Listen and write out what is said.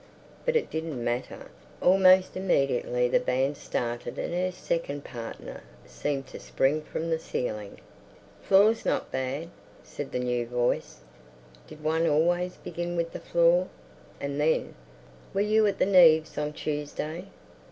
But it didn't matter. Almost immediately the band started and her second partner seemed to spring from the ceiling. "Floor's not bad," said the new voice. Did one always begin with the floor? And then, "Were you at the Neaves' on Tuesday?"